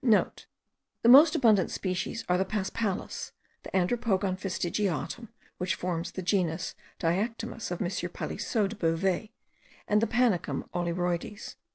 *(* The most abundant species are the paspalus; the Andropogon fastigiatum, which forms the genus Diectomis of M. Palissot de Beauvais; and the Panicum olyroides.)